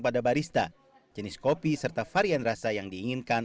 pada barista jenis kopi serta varian rasa yang diinginkan